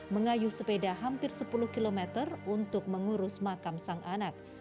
mengayuh sepeda hampir sepuluh km untuk mengurus makam sang anak